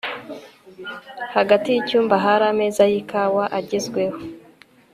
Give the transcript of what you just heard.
hagati yicyumba hari ameza yikawa-agezweho